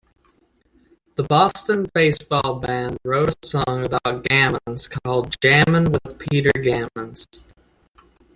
The Boston Baseball Band wrote a song about Gammons called Jammin' With Peter Gammons.